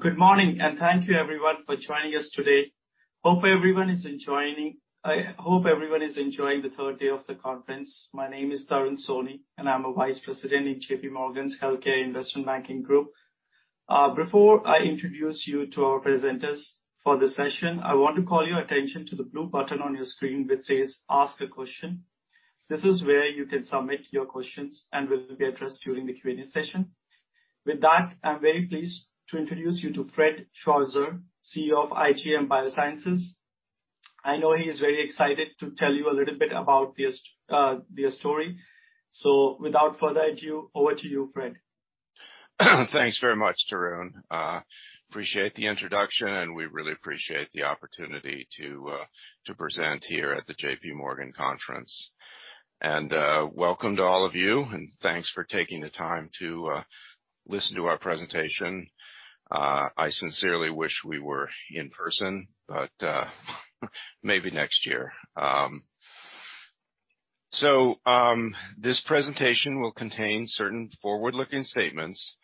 Good morning, and thank you everyone for joining us today. I hope everyone is enjoying the third day of the conference. My name is Tarun Soni, and I'm a Vice President in JPMorgan's Healthcare Investment Banking group. Before I introduce you to our presenters for the session, I want to call your attention to the blue button on your screen which says Ask a Question. This is where you can submit your questions and will be addressed during the Q&A session. With that, I'm very pleased to introduce you to Fred Schwarzer, CEO of IGM Biosciences. I know he is very excited to tell you a little bit about this, their story. Without further ado, over to you, Fred. Thanks very much, Tarun. Appreciate the introduction, and we really appreciate the opportunity to present here at the JPMorgan conference. Welcome to all of you, and thanks for taking the time to listen to our presentation. I sincerely wish we were in person, but maybe next year. This presentation will contain certain forward-looking statements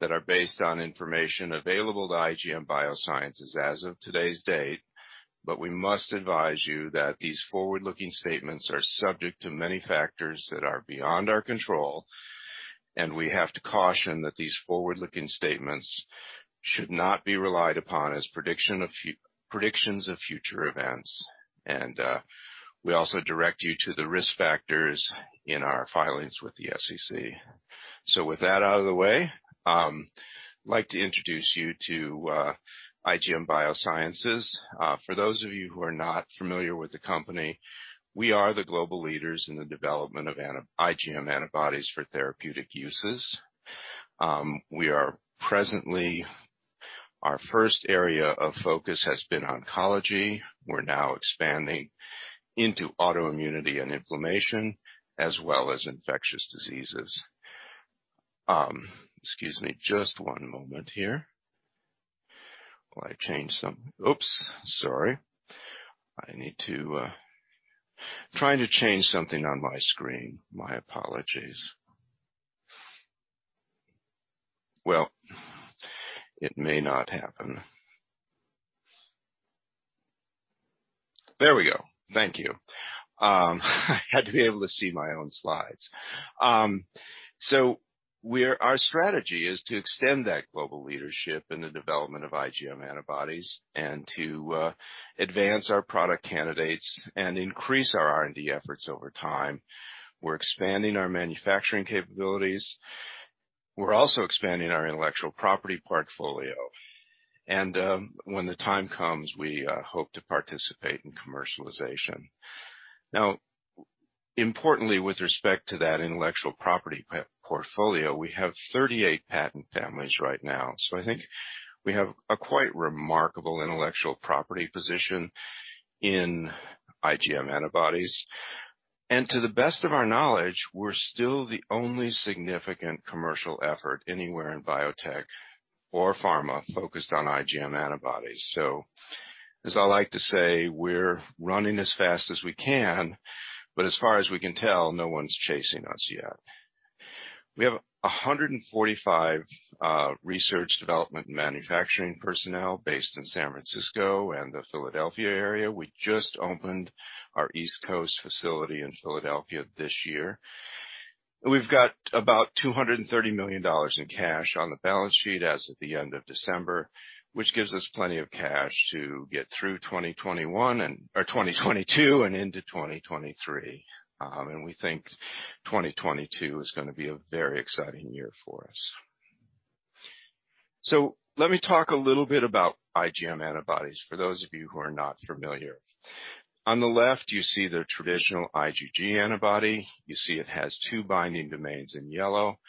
that are based on information available to IGM Biosciences as of today's date, but we must advise you that these forward-looking statements are subject to many factors that are beyond our control, and we have to caution that these forward-looking statements should not be relied upon as predictions of future events. We also direct you to the risk factors in our filings with the SEC. With that out of the way, I'd like to introduce you to IGM Biosciences. For those of you who are not familiar with the company, we are the global leaders in the development IgM antibodies for therapeutic uses. We are presently, our first area of focus has been oncology. We're now expanding into autoimmunity and inflammation as well as infectious diseases. Excuse me just one moment here while I change some. Oops, sorry. I need to try to change something on my screen. My apologies. Well, it may not happen. There we go. Thank you. Had to be able to see my own slides. Our strategy is to extend that global leadership in the development IgM antibodies and to advance our product candidates and increase our R&D efforts over time. We're expanding our manufacturing capabilities. We're also expanding our intellectual property portfolio. When the time comes, we hope to participate in commercialization. Importantly, with respect to that intellectual property portfolio, we have 38 patent families right now. I think we have a quite remarkable intellectual property position IgM antibodies. to the best of our knowledge, we're still the only significant commercial effort anywhere in biotech or pharma focused IgM antibodies. as I like to say, we're running as fast as we can, but as far as we can tell, no one's chasing us yet. We have 145 research development manufacturing personnel based in San Francisco and the Philadelphia area. We just opened our East Coast facility in Philadelphia this year. We've got about $230 million in cash on the balance sheet as of the end of December, which gives us plenty of cash to get through 2021 or 2022 and into 2023. We think 2022 is gonna be a very exciting year for us. Let me talk a little bit IgM antibodies, for those of you who are not familiar. On the left, you see the traditional IgG antibody. You see it has two binding domains in yellow,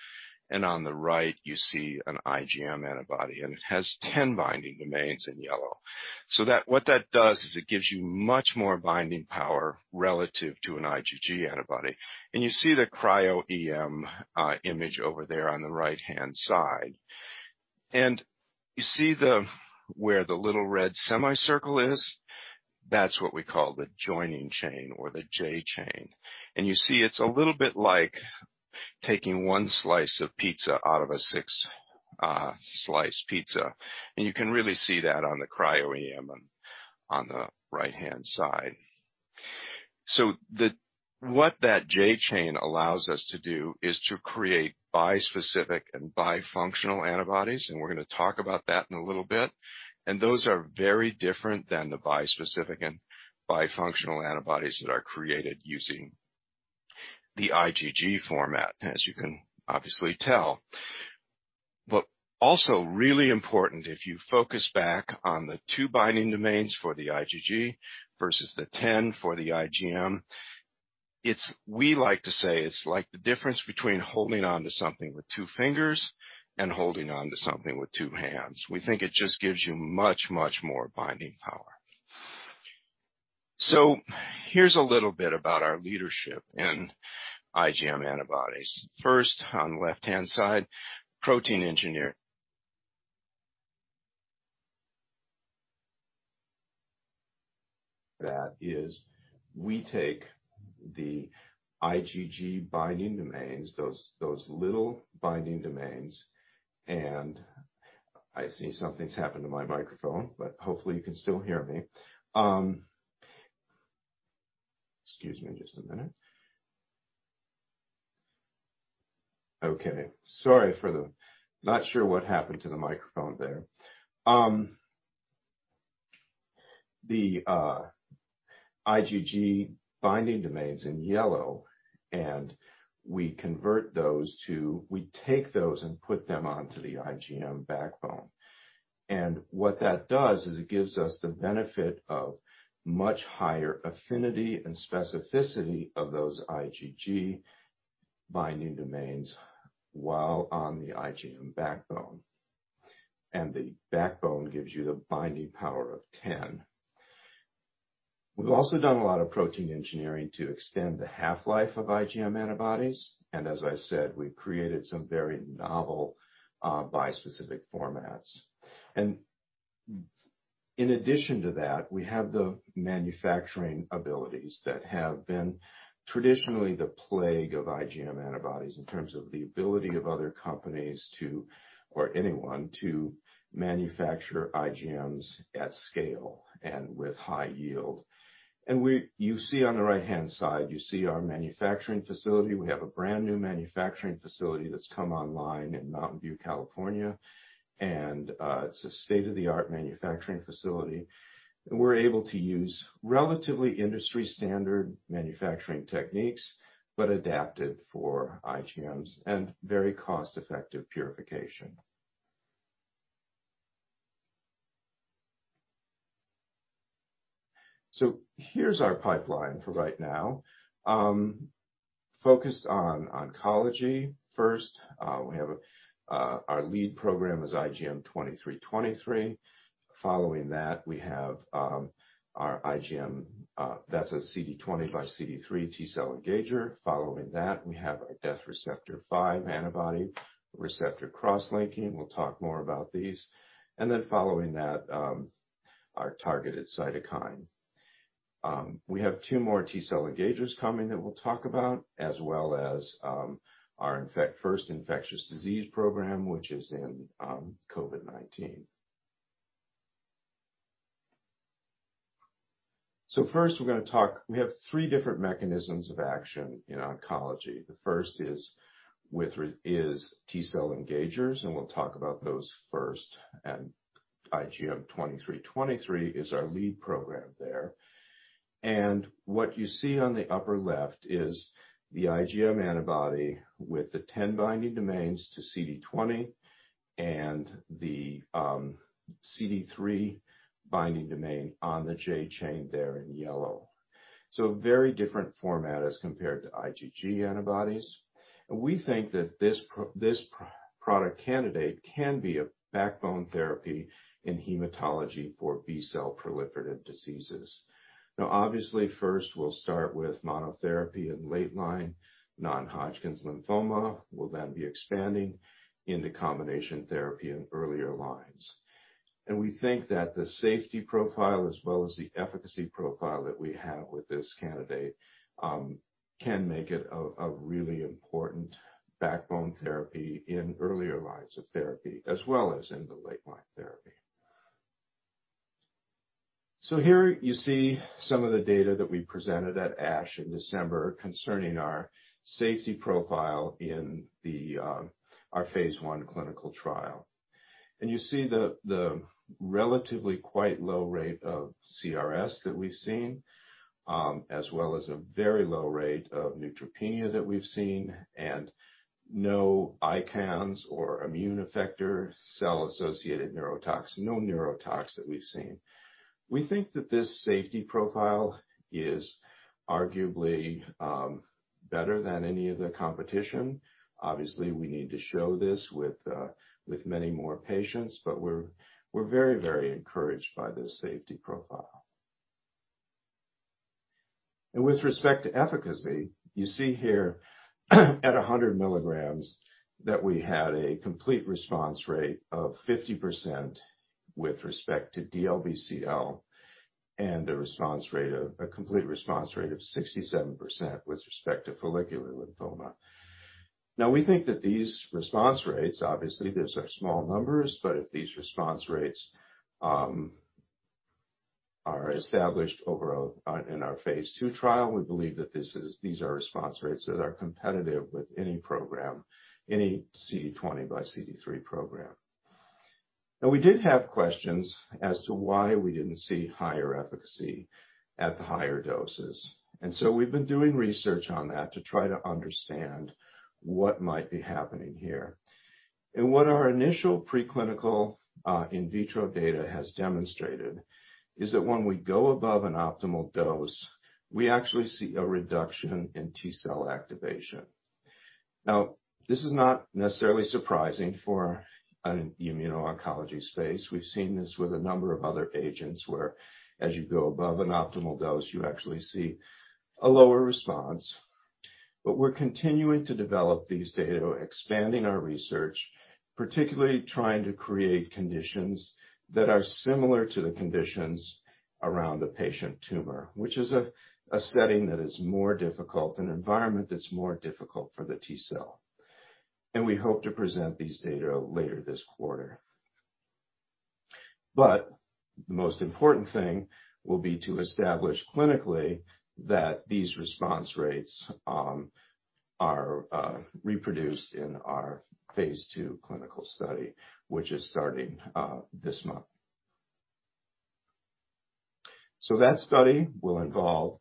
and on the right you see an IgM antibody, and it has 10 binding domains in yellow. That what that does is it gives you much more binding power relative to an IgG antibody. You see the cryo-EM image over there on the right-hand side. You see where the little red semicircle is? That's what we call the joining chain or the J chain. You see it's a little bit like taking one slice of pizza out of a six slice pizza. You can really see that on the cryo-EM on the right-hand side. What that J chain allows us to do is to create bispecific and bifunctional antibodies, and we're gonna talk about that in a little bit, and those are very different than the bispecific and bifunctional antibodies that are created using the IgG format, as you can obviously tell. Also really important, if you focus back on the two binding domains for the IgG versus the 10 for the IGM, we like to say it's like the difference between holding on to something with two fingers and holding on to something with two hands. We think it just gives you much, much more binding power. Here's a little bit about our leadership IgM antibodies. first, on left-hand side, protein engineering. That is we take the IgG binding domains, those little binding domains, and I see something's happened to my microphone, but hopefully you can still hear me. Excuse me just a minute. Okay, sorry for the. Not sure what happened to the microphone there. The IgG binding domain's in yellow, and we take those and put them onto the IgM backbone. What that does is it gives us the benefit of much higher affinity and specificity of those IgG binding domains while on the IgM backbone. The backbone gives you the binding power of ten. We've also done a lot of protein engineering to extend the half-life IgM antibodies, and as I said, we've created some very novel, bispecific formats. In addition to that, we have the manufacturing abilities that have been traditionally the plague IgM antibodies in terms of the ability of other companies to, or anyone, to manufacture IgMs at scale and with high yield. You see on the right-hand side, you see our manufacturing facility. We have a brand-new manufacturing facility that's come online in Mountain View, California, and, it's a state-of-the-art manufacturing facility. We're able to use relatively industry-standard manufacturing techniques, but adapted for IgMs and very cost-effective purification. Here's our pipeline for right now. Focused on oncology first. Our lead program is IGM-2323. Following that, we have our IgM that's a CD20 x CD3 T-cell engager. Following that, we have our death receptor 5 antibody receptor cross-linking. We'll talk more about these. Following that, our targeted cytokine. We have two more T-cell engagers coming that we'll talk about, as well as our first infectious disease program, which is in COVID-19. First, we're gonna talk. We have three different mechanisms of action in oncology. The first is T-cell engagers, and we'll talk about those first. IGM-2323 is our lead program there. What you see on the upper left is the IgM antibody with the 10 binding domains to CD20 and the CD3 binding domain on the J chain there in yellow. A very different format as compared to IgG antibodies. We think that this product candidate can be a backbone therapy in hematology for B-cell proliferative diseases. Now, obviously, first we'll start with monotherapy in late-line non-Hodgkin's lymphoma. We'll then be expanding into combination therapy in earlier lines. We think that the safety profile as well as the efficacy profile that we have with this candidate can make it a really important backbone therapy in earlier lines of therapy, as well as in the late-line therapy. Here you see some of the data that we presented at ASH in December concerning our safety profile in our phase I clinical trial. You see the relatively quite low rate of CRS that we've seen, as well as a very low rate of neutropenia that we've seen, and no ICANS or immune effector cell-associated neurotoxicity that we've seen. We think that this safety profile is arguably better than any of the competition. Obviously, we need to show this with many more patients, but we're very, very encouraged by this safety profile. With respect to efficacy, you see here at 100 mg that we had a complete response rate of 50% with respect to DLBCL, and a complete response rate of 67% with respect to follicular lymphoma. We think that these response rates, obviously, those are small numbers, but if these response rates are established overall in our phase II trial, we believe that these are response rates that are competitive with any program, any CD20 by CD3 program. We did have questions as to why we didn't see higher efficacy at the higher doses. We've been doing research on that to try to understand what might be happening here. What our initial preclinical, in vitro data has demonstrated is that when we go above an optimal dose, we actually see a reduction in T-cell activation. Now, this is not necessarily surprising for an immuno-oncology space. We've seen this with a number of other agents where as you go above an optimal dose, you actually see a lower response. We're continuing to develop these data, expanding our research, particularly trying to create conditions that are similar to the conditions around the patient tumor, which is a setting that is more difficult, an environment that's more difficult for the T-cell. We hope to present these data later this quarter. The most important thing will be to establish clinically that these response rates are reproduced in our phase II clinical study, which is starting this month. That study will involve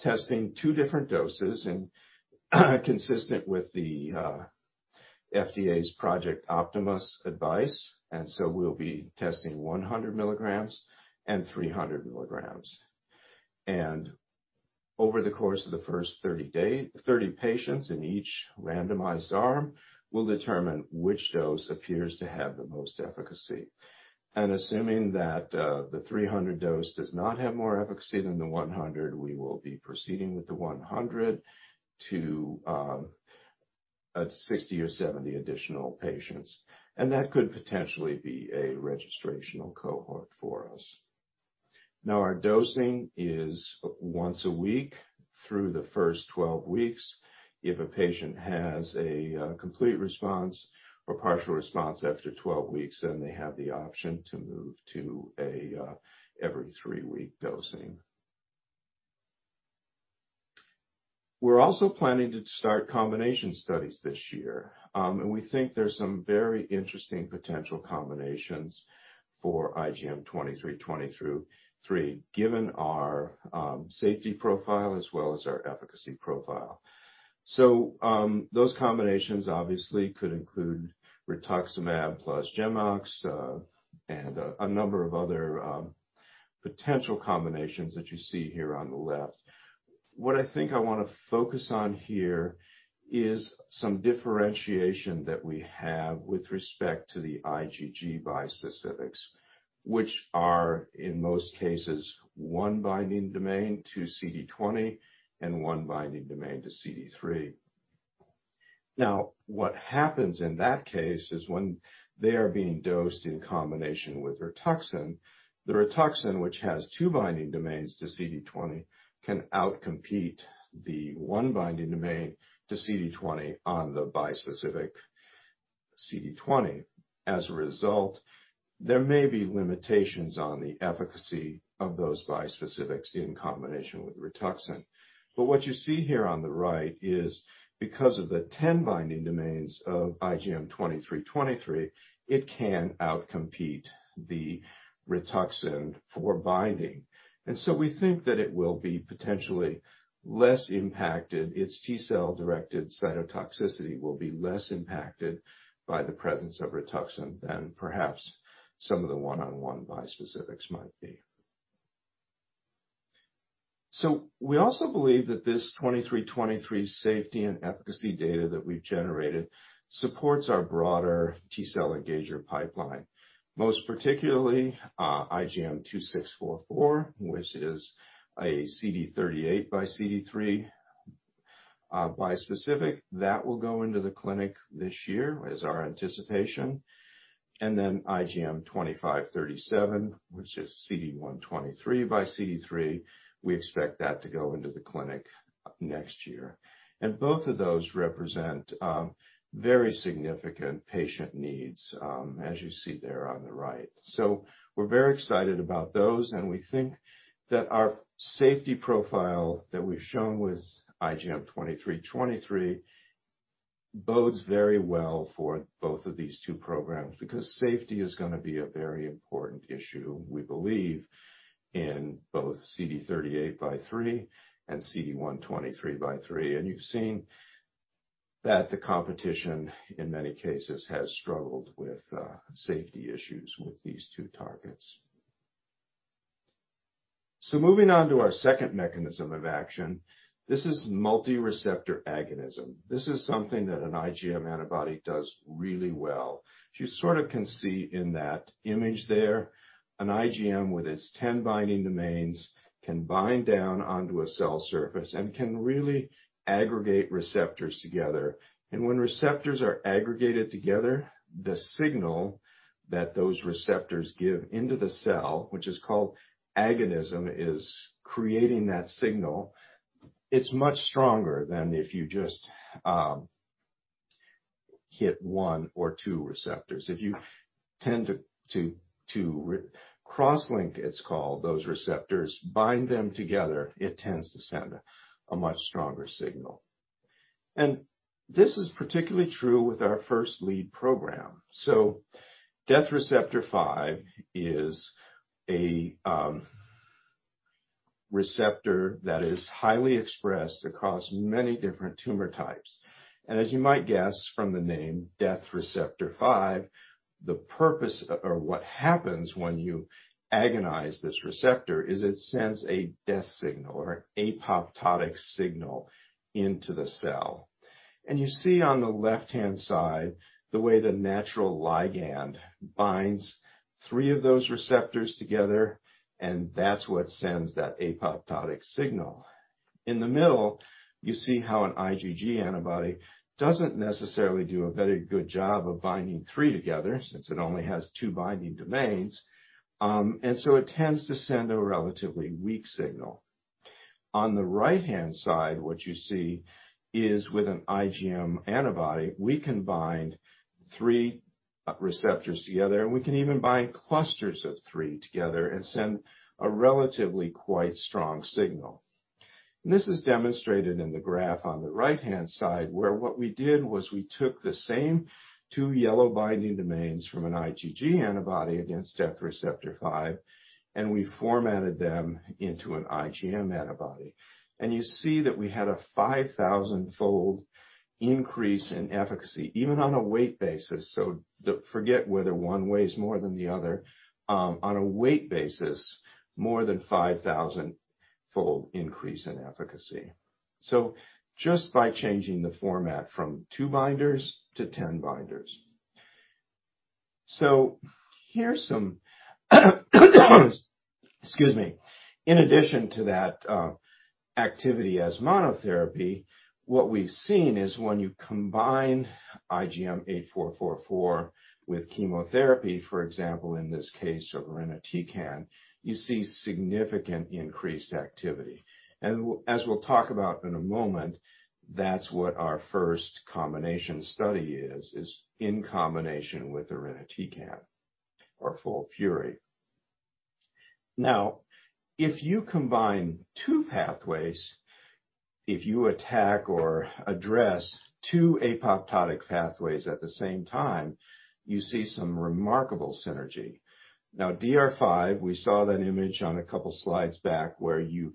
testing two different doses and consistent with the FDA's Project Optimus advice, we'll be testing 100 mg and 300 mg. Over the course of the first 30 patients in each randomized arm, we'll determine which dose appears to have the most efficacy. Assuming that the 300 dose does not have more efficacy than the 100, we will be proceeding with the 100 to 60 or 70 additional patients, and that could potentially be a registrational cohort for us. Now, our dosing is once a week through the first 12 weeks. If a patient has a complete response or partial response after 12 weeks, then they have the option to move to every three-week dosing. We're also planning to start combination studies this year. We think there's some very interesting potential combinations for IGM-2323 given our safety profile as well as our efficacy profile. Those combinations obviously could include rituximab plus GemOx, and a number of other potential combinations that you see here on the left. What I think I wanna focus on here is some differentiation that we have with respect to the IgG bispecifics, which are, in most cases, one binding domain to CD20 and one binding domain to CD3. Now, what happens in that case is when they are being dosed in combination with Rituxan, the Rituxan, which has two binding domains to CD20, can outcompete the 1 binding domain to CD20 on the bispecific CD20. As a result, there may be limitations on the efficacy of those bispecifics in combination with Rituxan. What you see here on the right is because of the 10 binding domains of IGM-2323, it can outcompete the Rituxan for binding. We think that it will be potentially less impacted. Its T-cell-directed cytotoxicity will be less impacted by the presence of Rituxan than perhaps some of the one-on-one bispecifics might be. We also believe that this 2323 safety and efficacy data that we've generated supports our broader T-cell engager pipeline, most particularly, IGM-2644, which is a CD38 by CD3 bispecific. That will go into the clinic this year, is our anticipation. Then IGM-2537, which is CD123 by CD3, we expect that to go into the clinic next year. Both of those represent very significant patient needs, as you see there on the right. We're very excited about those, and we think that our safety profile that we've shown with IGM-2323 bodes very well for both of these two programs because safety is gonna be a very important issue, we believe, in both CD38 by three and CD123 by three. You've seen that the competition, in many cases, has struggled with safety issues with these two targets. Moving on to our second mechanism of action. This is multi-receptor agonism. This is something that an IgM antibody does really well. You sort of can see in that image there, an IgM with its 10 binding domains can bind down onto a cell surface and can really aggregate receptors together. When receptors are aggregated together, the signal that those receptors give into the cell, which is called agonism, is creating that signal. It's much stronger than if you just hit one or two receptors. If you tend to cross-link, it's called, those receptors, bind them together, it tends to send a much stronger signal. This is particularly true with our first lead program. Death Receptor 5 is a receptor that is highly expressed across many different tumor types. As you might guess from the name Death Receptor 5, the purpose or what happens when you agonize this receptor is it sends a death signal or an apoptotic signal into the cell. You see on the left-hand side the way the natural ligand binds three of those receptors together, and that's what sends that apoptotic signal. In the middle, you see how an IgG antibody doesn't necessarily do a very good job of binding three together, since it only has two binding domains. It tends to send a relatively weak signal. On the right-hand side, what you see is with an IgM antibody, we can bind three receptors together, and we can even bind clusters of three together and send a relatively quite strong signal. This is demonstrated in the graph on the right-hand side, where what we did was we took the same two yellow binding domains from an IgG antibody against Death Receptor 5, and we formatted them into an IgM antibody. You see that we had a 5,000-fold increase in efficacy, even on a weight basis. Don't forget whether one weighs more than the other. On a weight basis, more than 5,000-fold increase in efficacy. Just by changing the format from two binders to 10 binders. In addition to that, activity as monotherapy, what we've seen is when you combine IGM-8444 with chemotherapy, for example, in this case, irinotecan, you see significant increased activity. As we'll talk about in a moment, that's what our first combination study is in combination with irinotecan or FOLFIRI. If you combine two pathways, if you attack or address two apoptotic pathways at the same time, you see some remarkable synergy. DR5, we saw that image on a couple of slides back where you...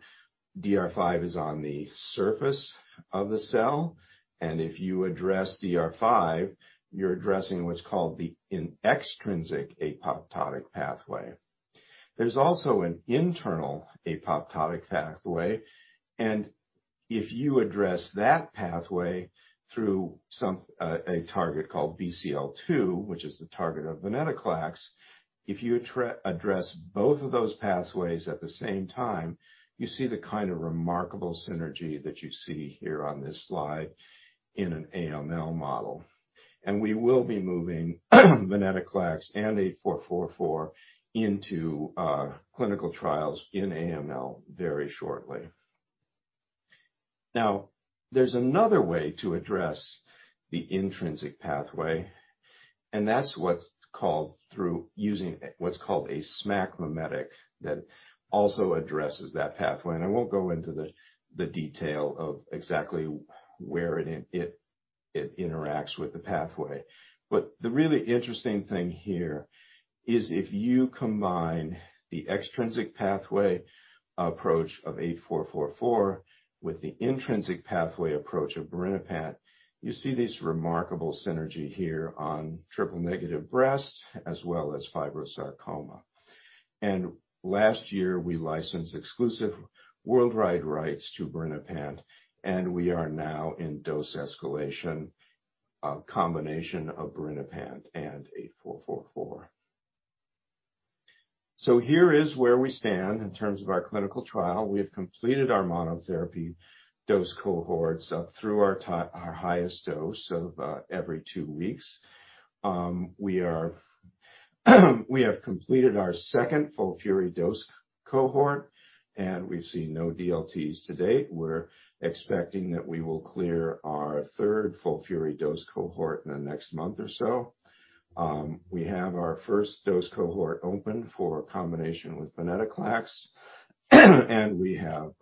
DR5 is on the surface of the cell, and if you address DR5, you're addressing what's called an extrinsic apoptotic pathway. There's also an intrinsic apoptotic pathway. If you address that pathway through a target called BCL2, which is the target of venetoclax, if you address both of those pathways at the same time, you see the kind of remarkable synergy that you see here on this slide in an AML model. We will be moving venetoclax and IGM-8444 into clinical trials in AML very shortly. Now, there's another way to address the intrinsic pathway, and that's through using a SMAC mimetic that also addresses that pathway. I won't go into the detail of exactly where it interacts with the pathway. The really interesting thing here is if you combine the extrinsic pathway approach of IGM-8444 with the intrinsic pathway approach of birinapant, you see this remarkable synergy here on triple-negative breast as well as fibrosarcoma. Last year, we licensed exclusive worldwide rights to birinapant, and we are now in dose escalation, a combination of birinapant and IGM-8444. Here is where we stand in terms of our clinical trial. We have completed our monotherapy dose cohorts up through our highest dose of every two weeks. We have completed our second FOLFIRI dose cohort, and we've seen no DLTs to date. We're expecting that we will clear our third FOLFIRI dose cohort in the next month or so. We have our first dose cohort open for a combination with venetoclax, and we have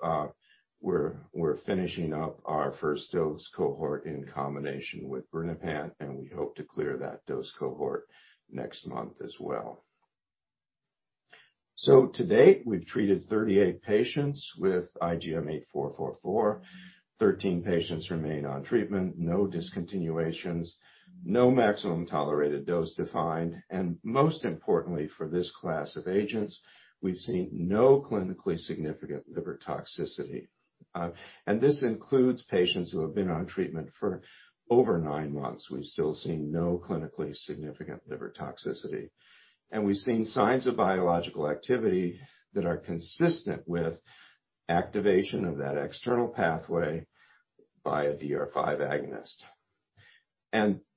we're finishing up our first dose cohort in combination with birinapant, and we hope to clear that dose cohort next month as well. To date, we've treated 38 patients with IGM-8444. 13 patients remain on treatment, no discontinuations, no maximum tolerated dose defined, and most importantly for this class of agents, we've seen no clinically significant liver toxicity. This includes patients who have been on treatment for over 9 months. We've still seen no clinically significant liver toxicity. We've seen signs of biological activity that are consistent with activation of that extrinsic pathway by a DR5 agonist.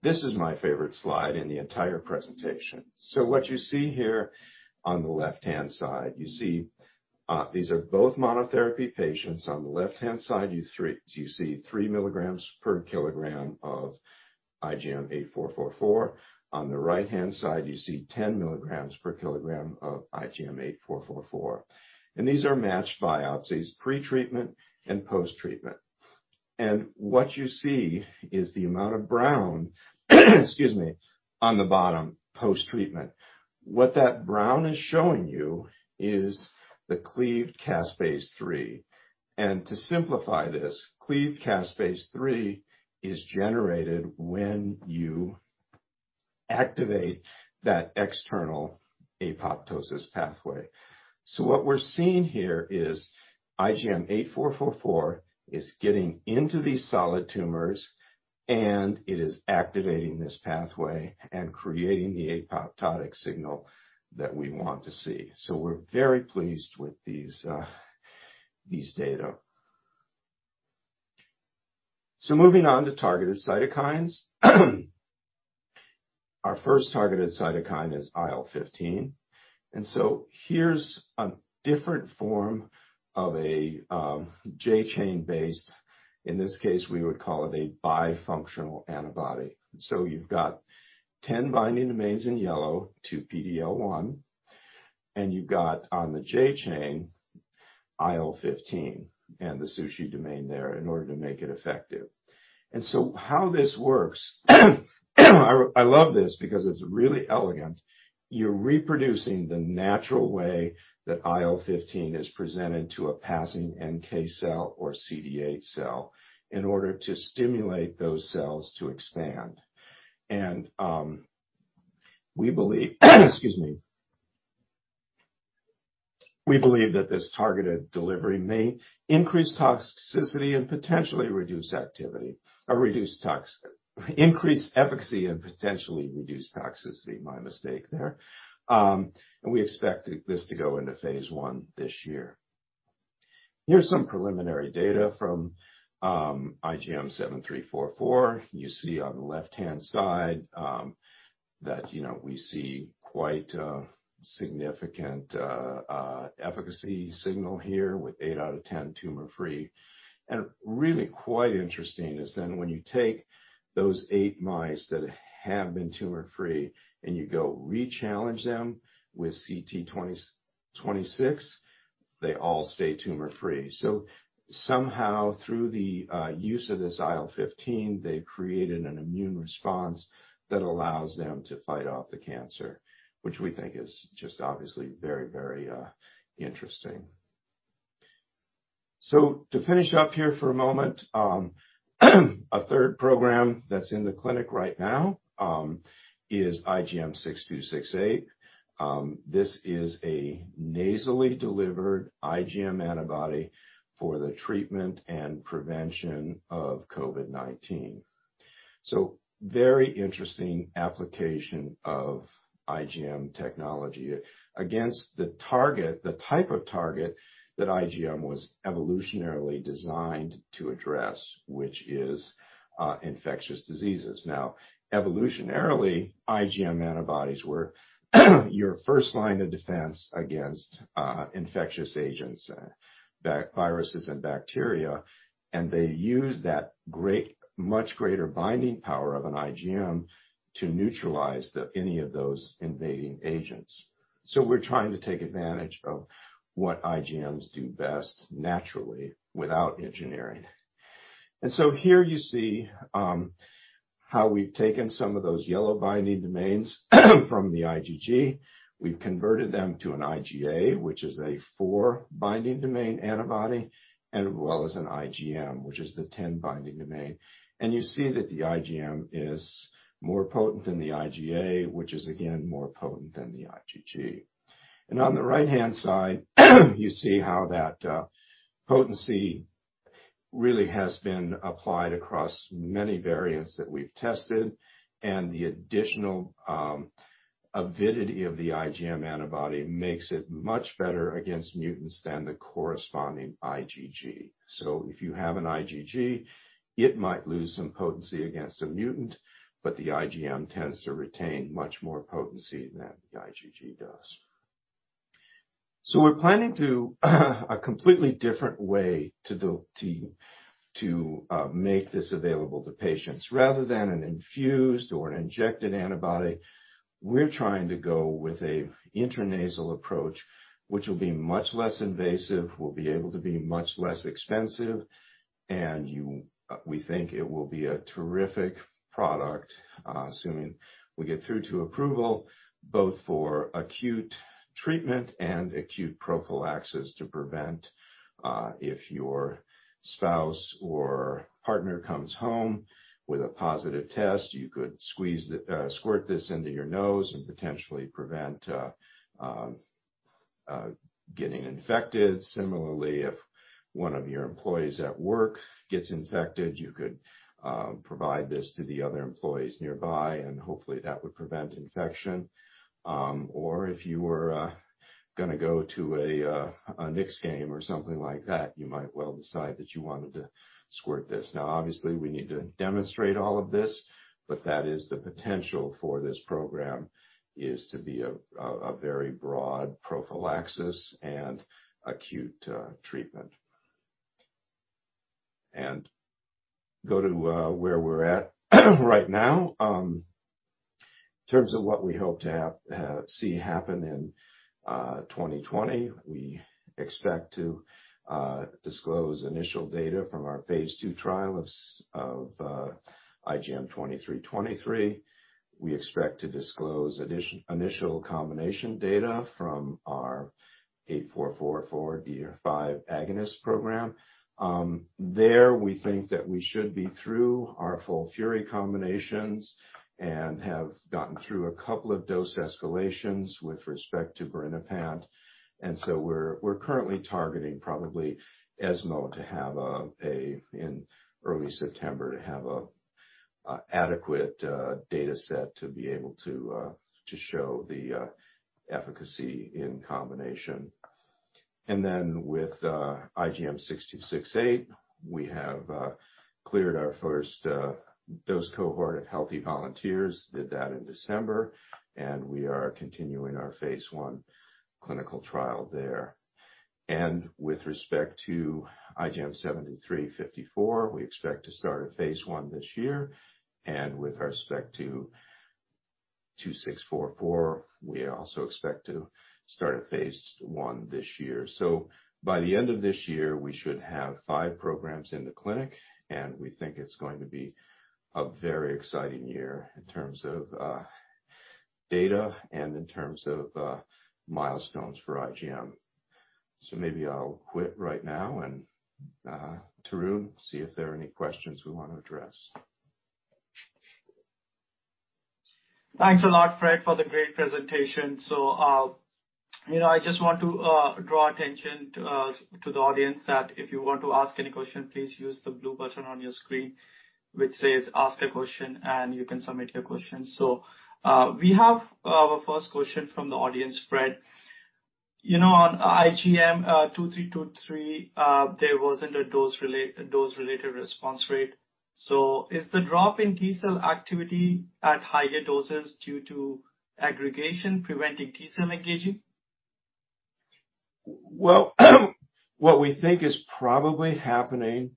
This is my favorite slide in the entire presentation. What you see here on the left-hand side, you see these are both monotherapy patients. On the left-hand side, you see 3 mg/kg of IGM-8444. On the right-hand side, you see 10 mg/kg of IGM-8444. These are matched biopsies, pretreatment and post-treatment. What you see is the amount of brown, excuse me, on the bottom post-treatment. What that brown is showing you is the cleaved caspase-3. To simplify this, cleaved caspase-3 is generated when you activate that extrinsic apoptotic pathway. What we're seeing here is IGM-8444 is getting into these solid tumors. It is activating this pathway and creating the apoptotic signal that we want to see. We're very pleased with these data. Moving on to targeted cytokines. Our first targeted cytokine is IL-15. Here's a different form of a J chain-based. In this case, we would call it a bifunctional antibody. You've got 10 binding domains in yellow to PD-L1, and you've got on the J chain IL-15 and the sushi domain there in order to make it effective. How this works, I love this because it's really elegant. You're reproducing the natural way that IL-15 is presented to a passing NK cell or CD8 cell in order to stimulate those cells to expand. We believe that this targeted delivery may increase toxicity and potentially reduce activity. Increase efficacy and potentially reduce toxicity. My mistake there. We expect this to go into phase I this year. Here's some preliminary data from IGM-7354. You see on the left-hand side that we see quite a significant efficacy signal here with eight out of 10 tumor-free. Really quite interesting is then when you take those eight mice that have been tumor-free and you go re-challenge them with CT26, they all stay tumor-free. Somehow through the use of this IL-15, they've created an immune response that allows them to fight off the cancer, which we think is just obviously very, very interesting. To finish up here for a moment, a third program that's in the clinic right now is IGM-6268. This is a nasally delivered IgM antibody for the treatment and prevention of COVID-19. Very interesting application of IgM technology against the target, the type of target that IgM was evolutionarily designed to address, which is infectious diseases. Now, IgM antibodies were your first line of defense against infectious agents, viruses and bacteria, and they use that great, much greater binding power of an IgM to neutralize any of those invading agents. We're trying to take advantage of what IgMs do best naturally without engineering. Here you see how we've taken some of those yellow binding domains from the IgG. We've converted them to an IgA, which is a four binding domain antibody, and as well as an IgM, which is the 10 binding domain. You see that the IgM is more potent than the IgA, which is again more potent than the IgG. On the right-hand side, you see how that potency really has been applied across many variants that we've tested, and the additional avidity of the IgM antibody makes it much better against mutants than the corresponding IgG. If you have an IgG, it might lose some potency against a mutant, but the IgM tends to retain much more potency than the IgG does. We're planning a completely different way to make this available to patients. Rather than an infused or an injected antibody, we're trying to go with an intranasal approach, which will be much less invasive, will be able to be much less expensive, and we think it will be a terrific product, assuming we get through to approval, both for acute treatment and acute prophylaxis to prevent, if your spouse or partner comes home with a positive test, you could squirt this into your nose and potentially prevent getting infected. Similarly, if one of your employees at work gets infected, you could provide this to the other employees nearby, and hopefully that would prevent infection. Or if you were gonna go to a Knicks game or something like that, you might well decide that you wanted to squirt this. Now, obviously, we need to demonstrate all of this, but that is the potential for this program, is to be a very broad prophylaxis and acute treatment. Go to where we're at right now. In terms of what we hope to see happen in 2020, we expect to disclose initial data from our phase II trial of IGM-2323. We expect to disclose initial combination data from our IGM-8444 DR5 agonist program. There we think that we should be through our follicular combinations and have gotten through a couple of dose escalations with respect to birinapant. We're currently targeting probably ESMO in early September to have an adequate data set to be able to show the efficacy in combination. With IGM-6268, we have cleared our first dose cohort of healthy volunteers, did that in December, and we are continuing our phase I clinical trial there. With respect to IGM-7354, we expect to start a phase I this year. With respect to IGM-2644, we also expect to start a phase I this year. By the end of this year, we should have five programs in the clinic, and we think it's going to be a very exciting year in terms of data and in terms of milestones for IGM. Maybe I'll quit right now and, Tarun, see if there are any questions we wanna address. Thanks a lot, Fred, for the great presentation. You know, I just want to draw attention to the audience that if you want to ask any question, please use the blue button on your screen, which says, "Ask a question," and you can submit your question. We have our first question from the audience, Fred. You know, on IGM-2323, there wasn't a dose related response rate. Is the drop in T-cell activity at higher doses due to aggregation preventing T-cell engaging? Well, what we think is probably happening,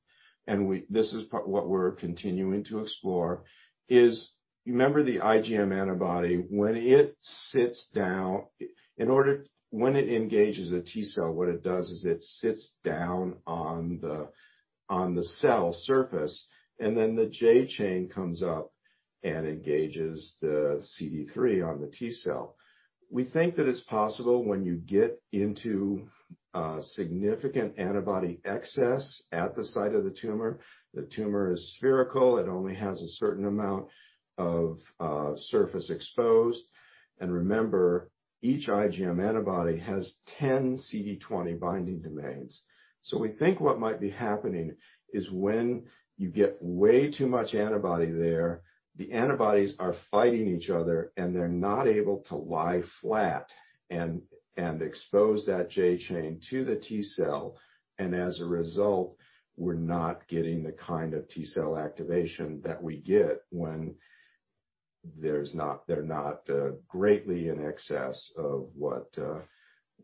what we're continuing to explore is remember the IgM antibody, when it sits down, when it engages a T-cell, what it does is it sits down on the cell surface, and then the J chain comes up and engages the CD3 on the T-cell. We think that it's possible when you get into significant antibody excess at the site of the tumor, the tumor is spherical, it only has a certain amount of surface exposed. Remember, each IgM antibody has 10 CD20 binding domains. We think what might be happening is when you get way too much antibody there, the antibodies are fighting each other, and they're not able to lie flat and expose that J chain to the T-cell. As a result, we're not getting the kind of T-cell activation that we get when they're not greatly in excess of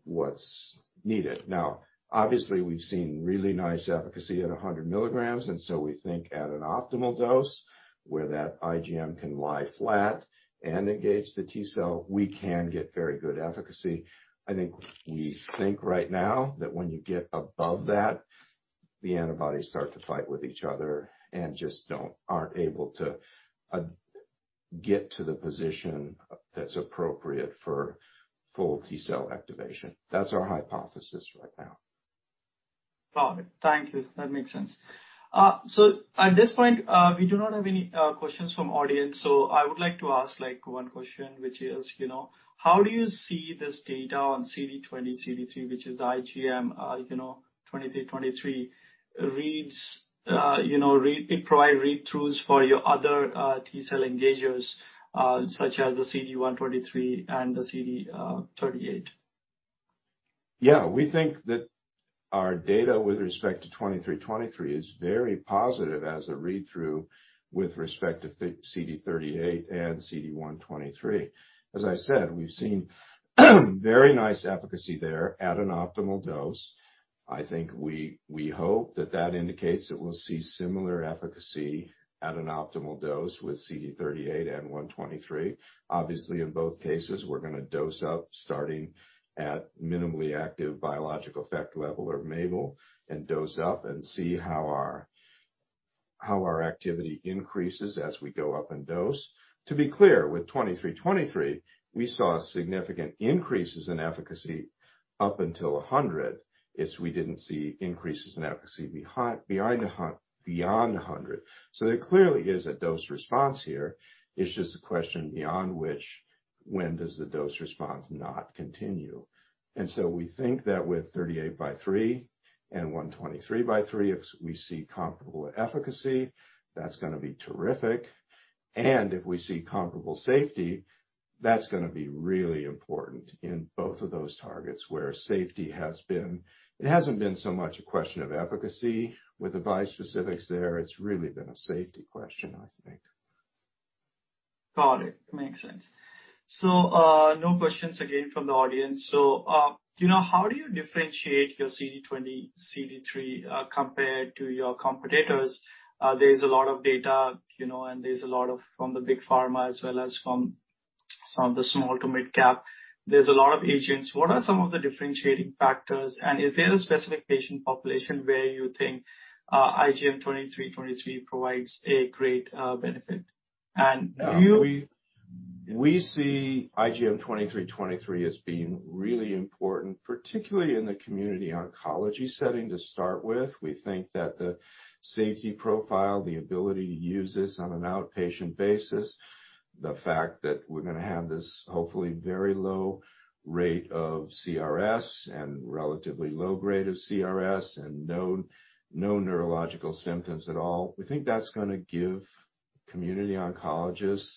what's needed. Now, obviously, we've seen really nice efficacy at 100 mg, so we think at an optimal dose where that IGM can lie flat and engage the T-cell, we can get very good efficacy. I think we think right now that when you get above that, the antibodies start to fight with each other and just aren't able to get to the position that's appropriate for full T-cell activation. That's our hypothesis right now. Got it. Thank you. That makes sense. So at this point, we do not have any questions from audience, so I would like to ask like one question, which is, you know, how do you see this data on CD20/CD3, which is the IGM-2323 read-throughs for your other T-cell engagers, such as the CD123 and the CD38. Yeah. We think that our data with respect to 2323 is very positive as a read-through with respect to CD38 and CD123. As I said, we've seen very nice efficacy there at an optimal dose. I think we hope that that indicates that we'll see similar efficacy at an optimal dose with CD38 and 123. Obviously, in both cases, we're gonna dose up starting at minimally active biological effect level or MABEL, and dose up and see how our activity increases as we go up in dose. To be clear, with 2323, we saw significant increases in efficacy up until 100. We didn't see increases in efficacy beyond 100. So there clearly is a dose response here. It's just a question beyond which, when does the dose response not continue? We think that with CD38 x CD3 and CD123 x CD3, if we see comparable efficacy, that's gonna be terrific. If we see comparable safety, that's gonna be really important in both of those targets where safety has been. It hasn't been so much a question of efficacy with bispecifics there. It's really been a safety question, I think. Got it. Makes sense. No questions again from the audience. You know, how do you differentiate your CD20/CD3 compared to your competitors? There's a lot of data, you know, and there's a lot of from the big pharma as well as from some of the small- to mid-cap. There's a lot of agents. What are some of the differentiating factors, and is there a specific patient population where you think IGM-2323 provides a great benefit? And do you- We see IGM-2323 as being really important, particularly in the community oncology setting to start with. We think that the safety profile, the ability to use this on an outpatient basis, the fact that we're gonna have this, hopefully, very low rate of CRS and relatively low grade of CRS and no neurological symptoms at all. We think that's gonna give community oncologists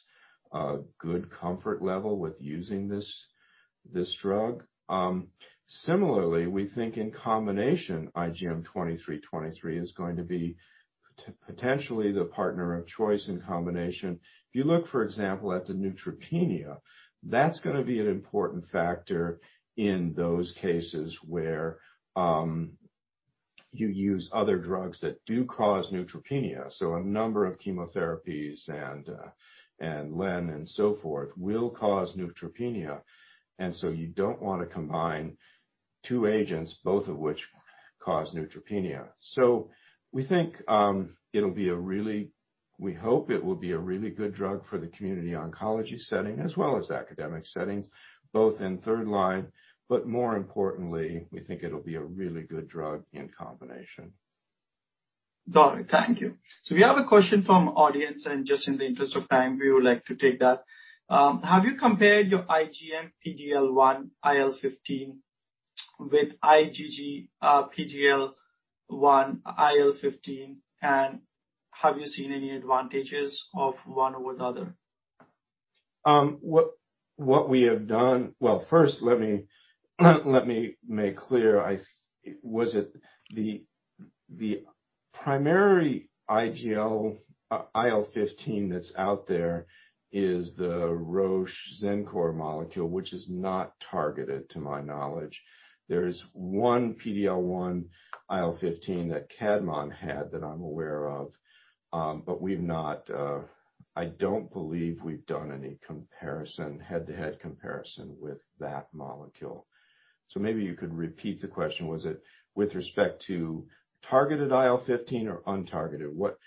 a good comfort level with using this drug. Similarly, we think in combination IGM-2323 is going to be potentially the partner of choice in combination. If you look, for example, at the neutropenia, that's gonna be an important factor in those cases where you use other drugs that do cause neutropenia. A number of chemotherapies and lenalidomide and so forth will cause neutropenia. You don't wanna combine two agents, both of which cause neutropenia. We think we hope it will be a really good drug for the community oncology setting as well as academic settings, both in third line. More importantly, we think it'll be a really good drug in combination. Got it. Thank you. We have a question from audience, and just in the interest of time, we would like to take that. Have you compared your IgM PDL1 IL-15 with IgG PDL1 IL-15, and have you seen any advantages of one over the other? What we have done. First let me make clear. Was it the primary IL-15 that's out there, is the Roche Cibisatamab molecule, which is not targeted to my knowledge. There's one PDL1 IL-15 that Kadmon had that I'm aware of. But I don't believe we've done any comparison, head-to-head comparison with that molecule. Maybe you could repeat the question. Was it with respect to targeted IL-15 or untargeted? What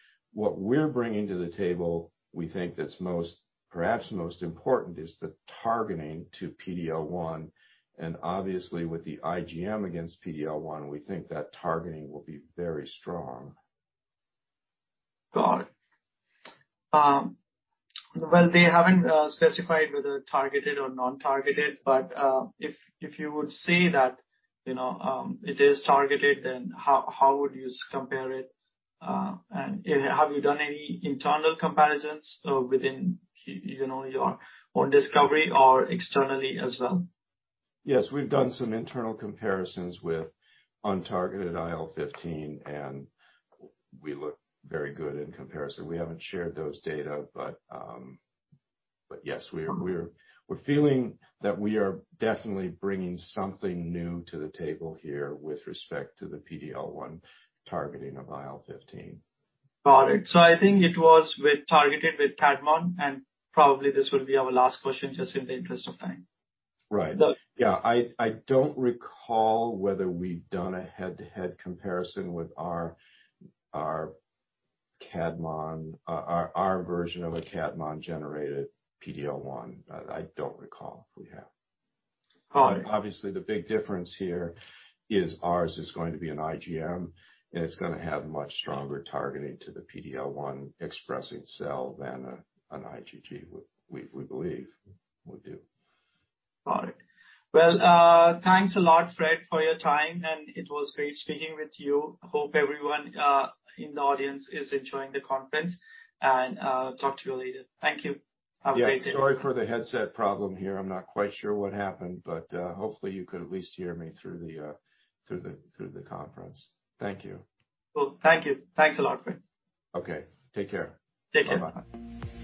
we're bringing to the table, we think that's most, perhaps most important, is the targeting to PDL1. Obviously with the IGM against PDL1, we think that targeting will be very strong. Got it. Well, they haven't specified whether targeted or non-targeted, but if you would say that, you know, it is targeted, then how would you compare it? And, you know, have you done any internal comparisons within, you know, your own discovery or externally as well? Yes, we've done some internal comparisons with untargeted IL-15, and we look very good in comparison. We haven't shared those data, but yes, we're feeling that we are definitely bringing something new to the table here with respect to the PDL1 targeting of IL-15. Got it. I think it was targeted with Kadmon, and probably this will be our last question just in the interest of time. Right. But- Yeah. I don't recall whether we've done a head-to-head comparison with our Kadmon version of a Kadmon-generated PDL1. I don't recall if we have. All right. Obviously, the big difference here is ours is going to be an IgM, and it's gonna have much stronger targeting to the PD-L1 expressing cell than an IgG we believe would do. All right. Well, thanks a lot, Fred, for your time, and it was great speaking with you. I hope everyone in the audience is enjoying the conference. Talk to you later. Thank you. Have a great day. Yeah, sorry for the headset problem here. I'm not quite sure what happened, but hopefully you could at least hear me through the conference. Thank you. Cool. Thank you. Thanks a lot, Fred. Okay. Take care. Take care. Bye bye.